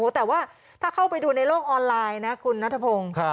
แต่ว่าถ้าเข้าไปดูในโลกออนไลน์นะคุณนัทพงศ์